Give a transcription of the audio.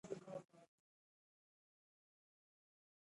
ازادي راډیو د روغتیا په اړه د محلي خلکو غږ خپور کړی.